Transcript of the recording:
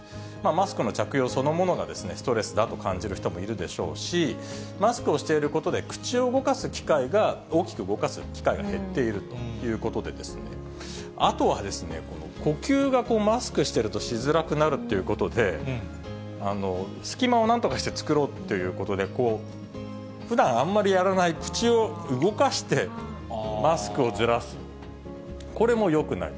マスクの着用そのものがストレスだと感じる人もいるでしょうし、マスクをしていることで、口を動かす機会が大きく動かす機会が減っているということで、あとはですね、呼吸がマスクしているとしづらくなるっていうことで、隙間をなんとかして作ろうということで、こう、ふだんあんまりやらない、口を動かしてマスクをずらす、これもよくない。